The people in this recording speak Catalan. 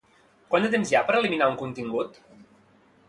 Quant de temps hi ha per eliminar un contingut?